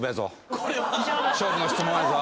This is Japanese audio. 勝負の質問やぞ。